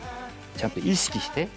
ちゃんと意識して。